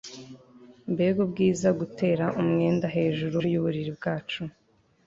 Mbega ubwiza Gutera umwenda hejuru yububi bwacu